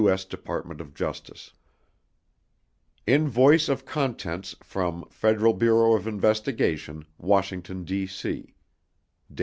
S. DEPARTMENT OF JUSTICE] Invoice of Contents from L 26 FEDERAL BUREAU OF INVESTIGATION WASHINGTON, D.C.